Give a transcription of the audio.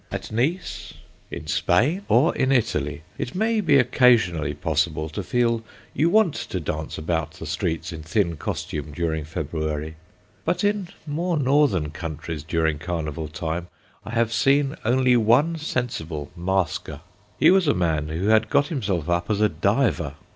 At Nice, in Spain, or in Italy, it may be occasionally possible to feel you want to dance about the streets in thin costume during February. But in more northern countries during Carnival time I have seen only one sensible masker; he was a man who had got himself up as a diver.